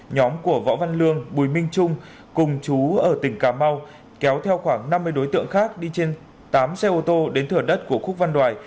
nhóm của võ văn lương bùi minh trung cùng chú ở tỉnh cà mau kéo theo khoảng năm mươi đối tượng khác đi trên tám xe ô tô đến thửa đất của khúc văn đoài